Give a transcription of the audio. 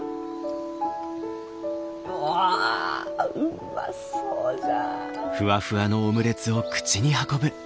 うわうまそうじゃ。